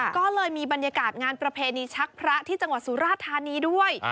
ก็เลยมีบรรยากาศงานประเพณีชักพระที่จังหวัดสุราธานีด้วย